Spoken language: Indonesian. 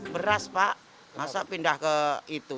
beras pak masa pindah ke itu